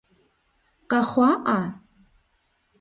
Къэхъуа ӏа?